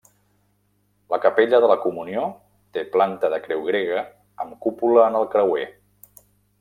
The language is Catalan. La capella de la Comunió té planta de creu grega amb cúpula en el creuer.